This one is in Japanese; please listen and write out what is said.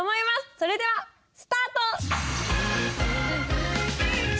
それではスタート！